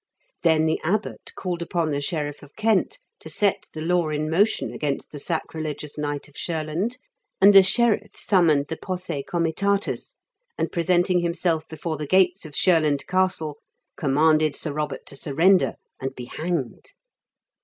Then the abbot called upon the sheriff of Kent to set the law in motion against the sacrilegious knight of Shurland, and the sheriff summoned the posse comitatus, and, presenting himself before the gates of Shurland Castle, commanded Sir Eobert to surrender and be hanged.